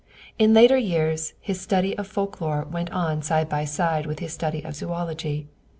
In later years his study of folk lore went on side by side with his study of zoölogy.